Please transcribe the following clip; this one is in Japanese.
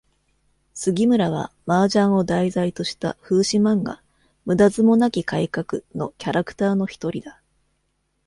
杉村は、麻雀を題材とした風刺漫画「ムダヅモ無き改革」のキャラクターの一人だ。